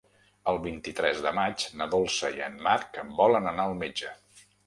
El vint-i-tres de maig na Dolça i en Marc volen anar al metge.